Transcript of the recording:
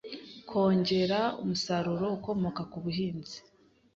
kongera umusaruro ukomoka kubuhinzi